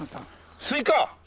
スイカ？